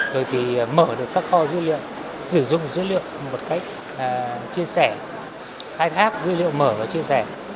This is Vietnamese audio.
rồi thì mở được các kho dữ liệu sử dụng dữ liệu một cách chia sẻ khai thác dữ liệu mở và chia sẻ